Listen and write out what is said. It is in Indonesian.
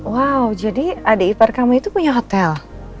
wow jadi adik ivar kamu itu punya hotel